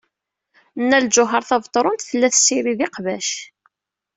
Nna Lǧuheṛ Tabetṛunt tella tessirid iqbac.